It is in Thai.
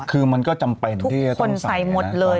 คือมันก็จำเป็นที่ต้องใส่ทุกคนใส่หมดเลย